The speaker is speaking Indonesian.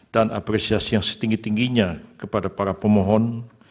dan apresiasi yang setinggi tingginya kepada para pemohon